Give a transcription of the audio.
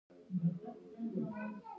موږ دواړه له خوښۍ نه په جامو کې نه ځایېدو.